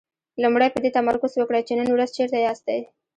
لومړی په دې تمرکز وکړئ چې نن ورځ چېرته ياستئ.